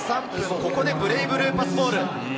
ここでブレイブルーパスボール。